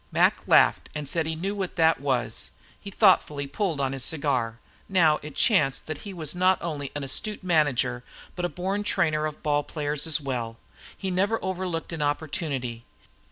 Mac laughed and said he knew how that was, then thoughtfully pulled on his cigar. Now it chanced that he was not only an astute manager, but a born trainer of ball players as well. He never overlooked an opportunity.